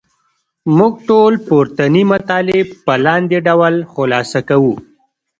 موږ ټول پورتني مطالب په لاندې ډول خلاصه کوو.